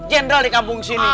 general di kampung sini